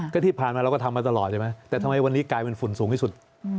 ก็ที่ผ่านมาเราก็ทำมาตลอดใช่ไหมแต่ทำไมวันนี้กลายเป็นฝุ่นสูงที่สุด